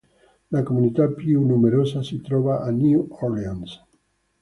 La comunità più numerosa si trova a New Orleans.